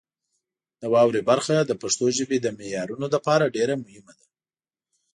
د واورئ برخه د پښتو ژبې د معیارونو لپاره ډېره مهمه ده.